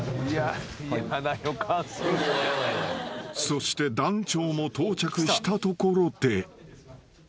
［そして団長も到着したところで］